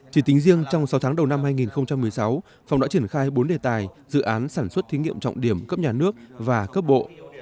chỉ tính riêng trong sáu tháng đầu năm hai nghìn một mươi sáu phòng đã triển khai bốn đề tài dự án sản xuất thí nghiệm trọng điểm cấp nhà nước và cấp bộ